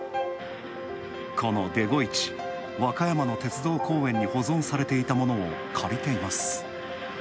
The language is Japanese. このデゴイチ、和歌山の鉄道公園に保存されていたものを借りています。